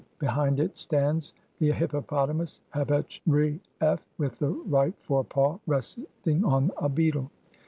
Be hind it stands the hippopotamus Hebetch re f, with the right fore paw resting on a beetle.